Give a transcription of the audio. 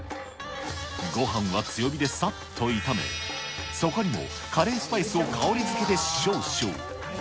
ごはんは強火でさっと炒め、そこにもカレースパイスを香り付けで少々。